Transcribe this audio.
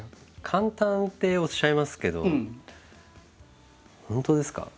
簡単っておっしゃいますけど本当ですか？